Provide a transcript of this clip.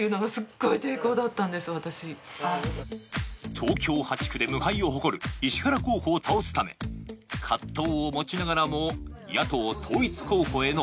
東京８区で無敗を誇る石原候補を倒すため葛藤を持ちながらも野党統一候補への